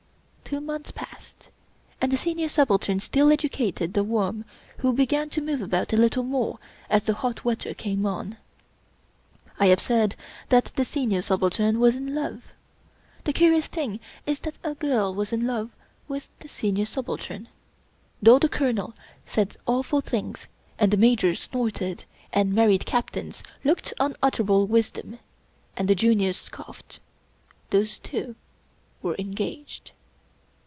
Two months passed, and the Senior Subaltern still edu cated The Worm, who began to move about a little more as the hot weather came on. I have said that the Senior Subaltern was in love. The curious thing is that a girl was in love with the Senior Subaltern. Though the Colonel said awful things, and the Majors snorted, and married Captains looked unutterable wisdom, and the juniors scoffed, those two were engaged.